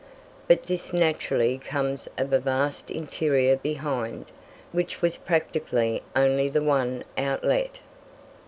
But this naturally comes of a vast interior behind, which has practically only the one outlet.